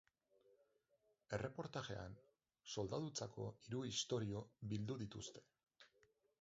Erreportajean soldadutzako hiru istorio bildu dituzte.